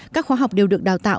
các khóa học đều được đào tạo